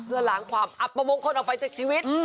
เพื่อล้างความอับประมงคลออกไปจากชีวิต